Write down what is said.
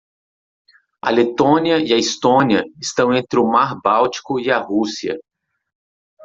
A Letônia e a Estônia estão entre o Mar Báltico e a Rússia.